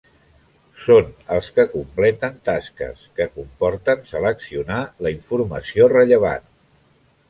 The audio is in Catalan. Són els que completen tasques que comporten seleccionar la informació rellevant.